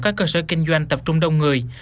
các cơ sở kinh doanh tập trung đông người